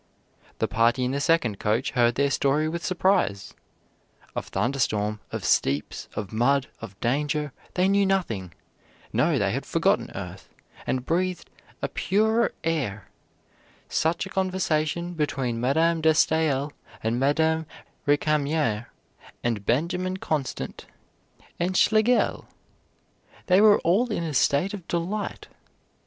The party in the second coach heard their story with surprise; of thunder storm, of steeps, of mud, of danger, they knew nothing; no, they had forgotten earth, and breathed a purer air; such a conversation between Madame de Staël and Madame Récamier and Benjamin Constant and Schlegel! they were all in a state of delight.